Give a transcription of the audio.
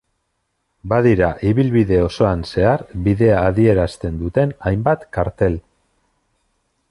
Badira ibilbide osoan zehar bidea adierazten duten hainbat kartel.